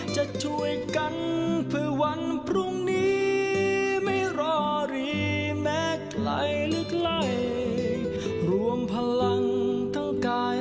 ที่จะฟื้นฟูให้กลับสู่สภาพปกติครับ